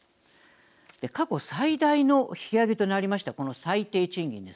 過去最大の引き上げとなったこの最低賃金。